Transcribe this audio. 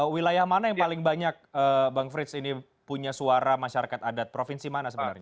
wilayah mana yang paling banyak bang frits ini punya suara masyarakat adat provinsi mana sebenarnya